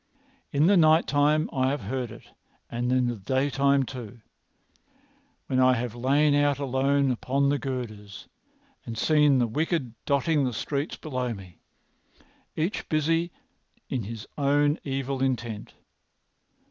In the night time I have heard it, and in the daytime too, when I have lain out alone upon the girders and seen the wicked dotting the streets beneath me, each busy on his own evil intent.